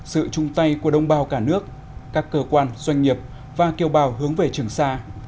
sự chung tay của đông bào cả nước các cơ quan doanh nghiệp và kêu bào hướng về trường sa